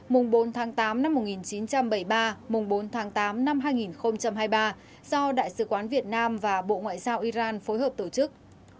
mùng bốn tháng tám năm một nghìn chín trăm bảy mươi ba mùng bốn tháng tám năm hai nghìn hai mươi ba do đại sứ quán việt nam và bộ ngoại giao iran phối hợp tổ chức